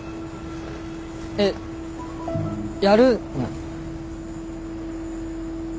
えっやるの？